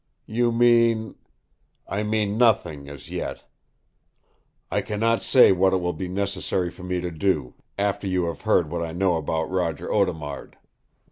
"You mean?" "I mean nothing, as yet. I can not say what it will be necessary for me to do, after you have heard what I know about Roger Audemard.